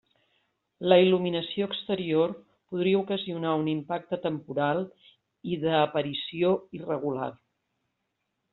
La il·luminació exterior podria ocasionar un impacte temporal i d'aparició irregular.